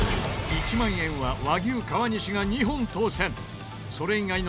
１万円は和牛川西が２本当せん。